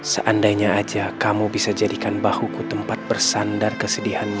seandainya aja kamu bisa jadikan bahuku tempat bersandar kesedihanmu